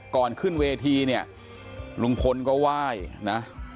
ก่อนขึ้นเวทีลุงพลก็ไหว้